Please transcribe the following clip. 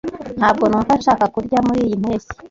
Ntabwo numva nshaka kurya muriyi mpeshyi.